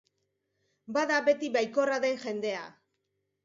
Bada beti baikorra den jendea.